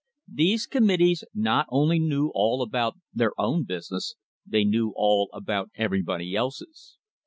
These committees not only knew all about their own business, they knew all about everybody else's.